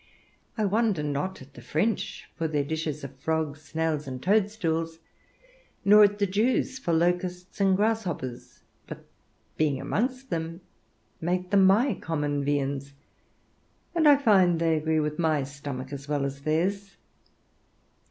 I wonder not at the French for their dishes of frogs, snails, and toadstools; nor at the Jews for locusts and grasshoppers; but being amongst them, make them my common viands, and I find they agree with my stomach as well as theirs.